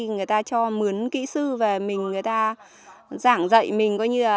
người ta cho mướn kỹ sư về mình người ta giảng dạy mình